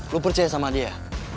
lu percaya sama dia